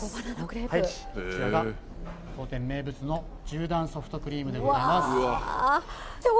こちらが当店名物の１０段ソフトクリームでございます。